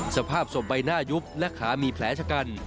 สภาพศพใบหน้ายุบและขามีแผลชะกัน